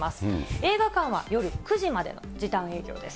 映画館は夜９時までの時短営業です。